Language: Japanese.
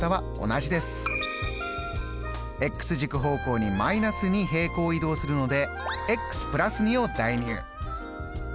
軸方向に−２平行移動するので＋２を代入。